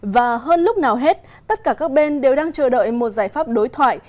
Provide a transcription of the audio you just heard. và hơn lúc nào hết tất cả các bên đều đang chờ đợi một giải pháp đối thoại